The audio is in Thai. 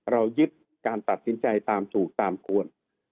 เรายึดการตัดสินใจตามถูกตามควร